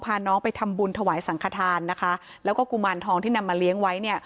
พาน้องไปทำบุญถวายสังขทานนะคะแล้วก็กุมารทองที่นำมาเลี้ยงไว้เนี่ย